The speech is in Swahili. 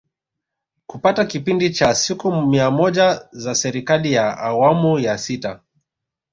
Katika kipindi cha siku mia moja za Serikali ya Awamu ya Sita